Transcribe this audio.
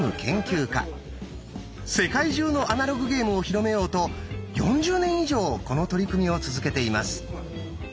世界中のアナログゲームを広めようと４０年以上この取り組みを続けています。